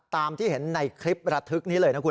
ตามที่เห็นในคลิประทึกนี้เลยนะคุณ